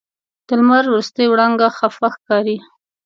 د لمر وروستۍ وړانګه خفه ښکاري